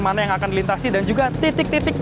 mana yang akan dilintasi dan juga titik titik